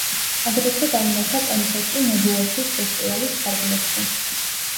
აგრეთვე გაიმართა კონცერტი ნებუორთის ფესტივალის ფარგლებში.